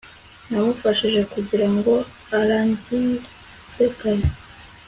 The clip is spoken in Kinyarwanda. namufashije kugirango arangize kare